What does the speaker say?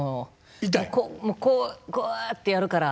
こうこうやってやるから。